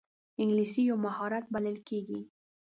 انګلیسي یو مهارت بلل کېږي